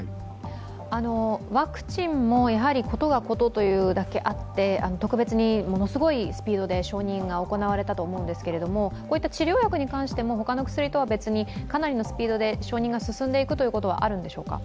ワクチンも事が事というだけあって特別にものすごいスピードで承認が行われたと思うんですけど、こういった治療薬に関しても、他の薬とは別にかなりのスピードで承認が進んでいくということはあるんでしょうか。